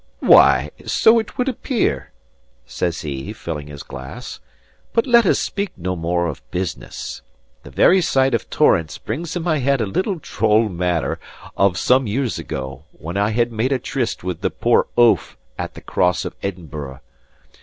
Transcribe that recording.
"Why, so it would appear," says he, filling his glass. "But let us speak no more of business. The very sight of Torrance brings in my head a little droll matter of some years ago, when I had made a tryst with the poor oaf at the cross of Edinburgh.